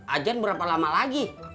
ajan berapa lama lagi